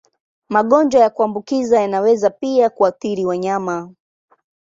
Magonjwa ya kuambukiza yanaweza pia kuathiri wanyama.